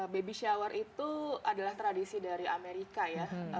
baby shower itu adalah tradisi dari amerika ya